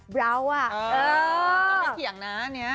เบราว่าเออไม่เคี่ยงนะนี้